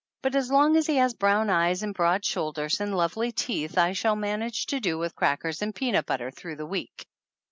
But as long as he has brown eyes and broad shoulders and lovely teeth I shall manage to do with crackers and peanut butter through the week.